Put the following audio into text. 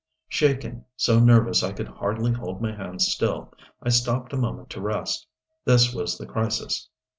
Shaken, so nervous I could hardly hold my hands still, I stopped a moment to rest. This was the crisis.